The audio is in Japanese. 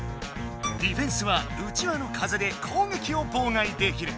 ディフェンスはうちわの風で攻撃を妨害できる。